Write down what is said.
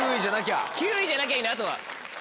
９位じゃなきゃいいんだあとは。